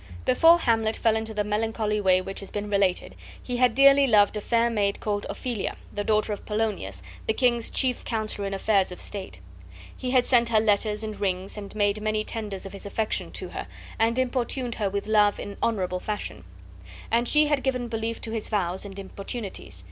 Before Hamlet fell into the melancholy way which has been related he had dearly loved a fair maid called Ophelia, the daughter of Polonius, the king's chief counselor in affairs of state. He had sent her letters and rings, and made many tenders of his affection to her, and importuned her with love in honorable fashion; and she had given belief to his vows and importunities.